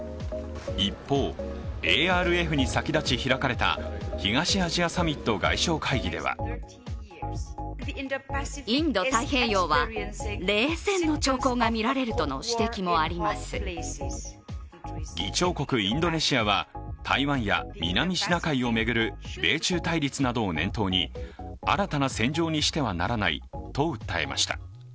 一方、ＡＲＦに先立ち開かれた東アジアサミット外相会議では議長国インドネシアは台湾や南シナ海を巡る米中対立などを念頭に、新たな戦場にしてはならないと訴えました。